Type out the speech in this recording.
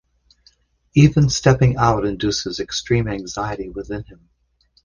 Even stepping out induces extreme anxiety within him.